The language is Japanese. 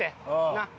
なっ？